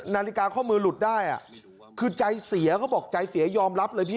นาฬิกาข้อมือหลุดได้คือใจเสียเขาบอกใจเสียยอมรับเลยพี่